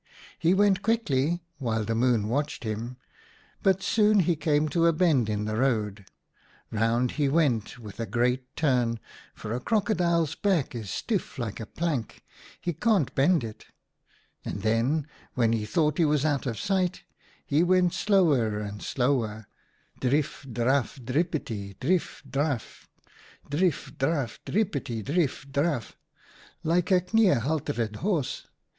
He went quickly while the Moon watched him, but soon he came to a bend in the road. Round WHY HARES NOSE IS SLIT 73 he went with a great turn, for a Crocodile's back is stiff like a plank, he can't bend it ; and then, when he thought he was out of sight, he went slower and slower — drif draf drippity drif draf, drif draf drippity drif draf, like a knee haltered horse.